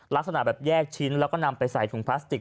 ลักษณะแบบแยกชิ้นแล้วก็นำไปใส่ถุงพลาสติก